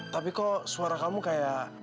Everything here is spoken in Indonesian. tapi kok suara kamu kayak